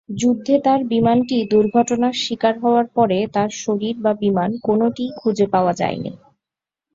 যুদ্ধে তার বিমানটি দুর্ঘটনার শিকার হবার পরে তার শরীর বা বিমান কোনটিই খুজে পাওয়া যায়নি।